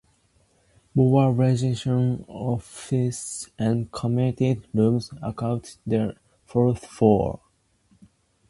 More legislative offices and committee rooms occupy the fourth floor.